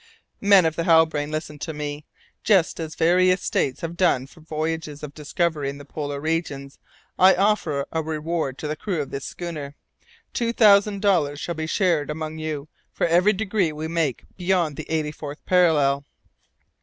"Men of the Halbrane, listen to me! Just as various States have done for voyages of discovery in the Polar Regions, I offer a reward to the crew of this schooner. Two thousand dollars shall be shared among you for every degree we make beyond the eighty fourth parallel."